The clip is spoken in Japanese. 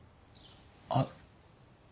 あっ。